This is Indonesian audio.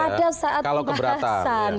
pada saat pembahasan